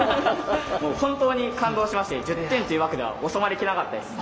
本当に感動しまして１０点という枠では収まりきらなかったです。